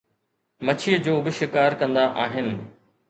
مڇيءَ جو به شڪار ڪندا آهن